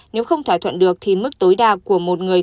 nếu không thỏa thuận được thì mức tối đa của một người